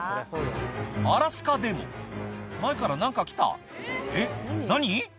アラスカでも「前から何か来たえっ何？」